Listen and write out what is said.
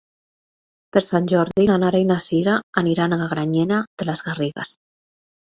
Per Sant Jordi na Nara i na Sira aniran a Granyena de les Garrigues.